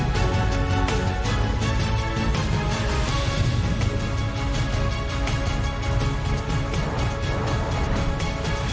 โปรดติดตามตอนต่อไป